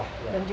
hanya ada di